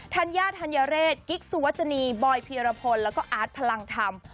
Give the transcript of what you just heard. ธัญญาธัญเรศกิ๊กสุวจนีบอยพีรพลแล้วก็อาร์ตพลังธรรม